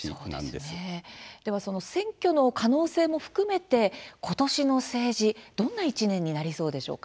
その選挙の可能性も含めて今年の政治どんな１年になりそうでしょうか。